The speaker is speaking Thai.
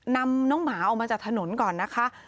นำน้องหมาออกมาจากถนนก่อนนะคะ